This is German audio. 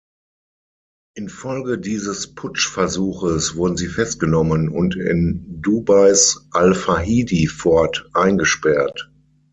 Infolge dieses Putschversuches wurden sie festgenommen und in Dubais al-Fahidi-Fort eingesperrt.